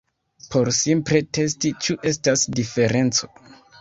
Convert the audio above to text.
Por simple testi ĉu estas diferenco